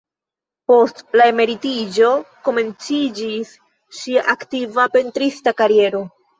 Post la emeritiĝo komenciĝis ŝia aktiva pentrista kariero.